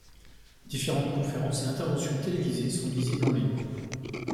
Différentes conférences et interventions télévisées sont visibles en ligne.